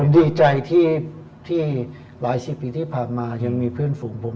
ดีใจที่หลายสิบปีที่ผ่านมายังมีเพื่อนฝูงผม